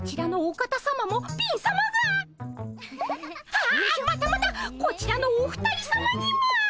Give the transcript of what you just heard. ああまたまたこちらのお二人さまにも。